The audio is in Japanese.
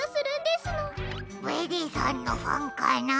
ベリーさんのファンかな？